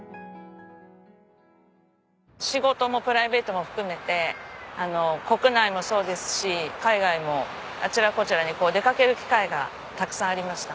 仕事もプライベートも含めて国内もそうですし海外もあちらこちらに出かける機会がたくさんありました。